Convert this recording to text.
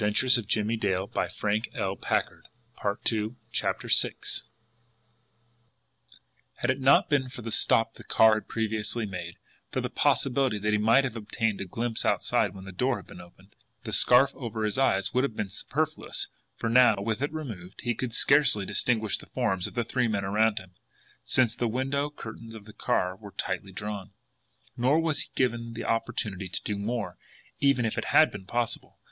"You get out here," said the man tersely. CHAPTER VI THE TRAP Had it not been for the stop the car had previously made, for the possibility that he might have obtained a glimpse outside when the door had been opened, the scarf over his eyes would have been superfluous; for now, with it removed, he could scarcely distinguish the forms of the three men around him, since the window curtains of the car were tightly drawn. Nor was he given the opportunity to do more, even had it been possible.